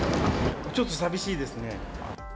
ちょっと寂しいですね。